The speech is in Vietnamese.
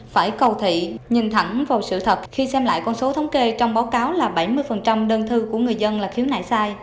phải cầu thị nhìn thẳng vào sự thật khi xem lại con số thống kê trong báo cáo là bảy mươi đơn thư của người dân là khiếu nại sai